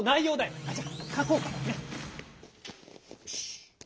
よし。